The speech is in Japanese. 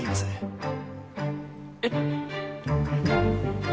えっ。